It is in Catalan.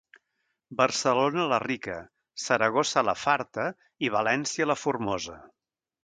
Barcelona la rica, Saragossa la farta i València la formosa.